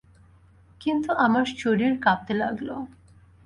কিন্তু আমার শরীর কাঁপতে লাগল।